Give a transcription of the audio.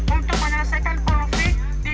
untuk menyelesaikan profil